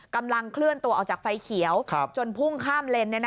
กำลังเคลื่อนตัวออกจากไฟเขียวจนพุ่งข้ามเลน